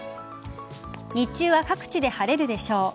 日中は各地で晴れるでしょう。